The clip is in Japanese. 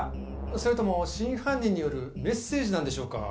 それとも真犯人によるメッセージなんでしょうか？